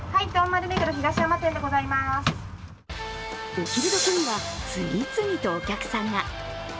お昼どきには、次々とお客さんが。